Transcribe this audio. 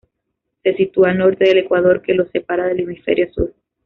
Se sitúa al norte del ecuador, que lo separa del hemisferio sur.